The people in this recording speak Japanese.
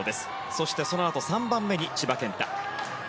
そしてそのあと３番目に千葉健太。